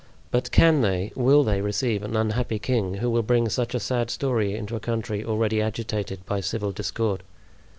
But can they, will they receive an unhappy king, who will bring such a sad story into a country already agitated by civil discord?